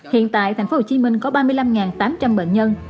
hiện tại thành phố hồ chí minh có ba mươi năm tám trăm linh bệnh nhân dị